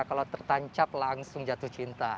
kalau tertancap langsung jatuh cinta